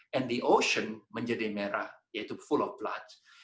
dan laut menjadi merah yaitu penuh darah